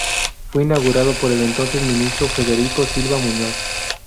Fue inaugurado por el entonces ministro Federico Silva Muñoz.